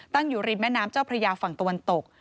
อยู่ริมแม่น้ำเจ้าพระยาฝั่งตะวันตก